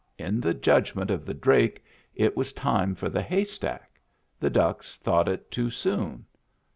In the judgment of the drake it was time for the haystack ; the ducks thought it too soon.